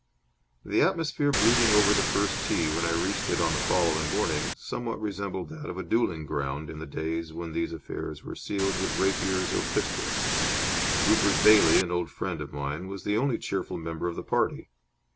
The atmosphere brooding over the first tee when I reached it on the following morning, somewhat resembled that of a duelling ground in the days when these affairs were sealed with rapiers or pistols. Rupert Bailey, an old friend of mine, was the only cheerful member of the party.